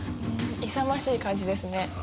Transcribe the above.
勇ましい感じですね。